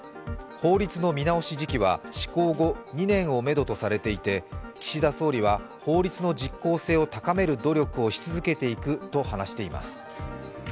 法律の見直し時期は施行後２年をめどとされていて岸田総理は法律の実効性を高める努力をし続けていくと語っています。